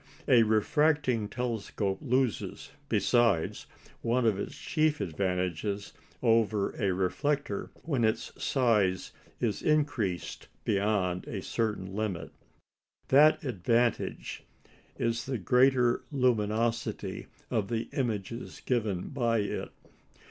A refracting telescope loses, besides, one of its chief advantages over a reflector when its size is increased beyond a certain limit. That advantage is the greater luminosity of the images given by it.